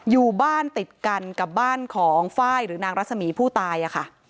อยู่บ้านติดกันกับบ้านของฟ่ายอยู่บ้านของหน้ารักษมีนผู้ตายอะค่ะ